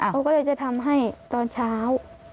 เขาก็เลยจะทำให้ตอนเช้า